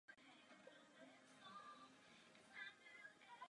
Kongresu České šachové asociace.